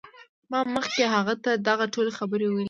ما مخکې هغه ته دغه ټولې خبرې ویلې وې